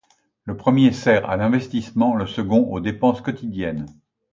Le premier sert à l'investissement, le second aux dépenses quotidiennes.